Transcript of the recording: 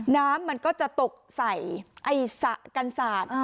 น้ำมันก็จะตกใส่ไอ้สระกันศาสตร์